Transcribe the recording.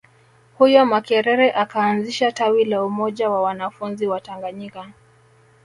Huko Makerere akaanzisha tawi la Umoja wa wanafunzi Watanganyika